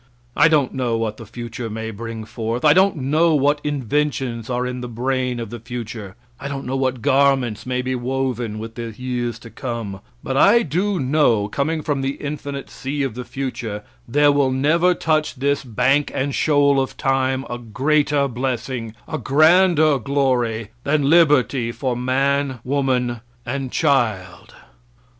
I don't know what the future may bring forth; I don't know what inventions are in the brain of the future; I don't know what garments may be woven, with the years to come; but I do know, coming from the infinite sea of the future, there will never touch this "bank and shoal of time" a greater blessing, a grander glory, than liberty for man, woman and child.